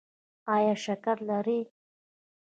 ایا شکر لرئ؟